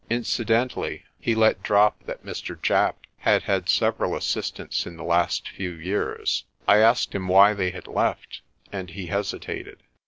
Incidentally he let drop that Mr. Japp had had several assistants in the last few years. I asked him why they had left, and he hesitated.